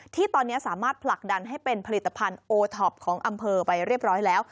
ที่ตอนนี้สามารถผลักดันให้เป็นผลิตภัณฑ์โอท็อปของอำเภอไปเรียบร้อยแล้ว